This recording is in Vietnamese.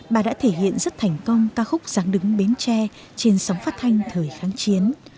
bà đã thể hiện rất thành công ca khúc giáng đứng bến tre trên sóng phát thanh thời kháng chiến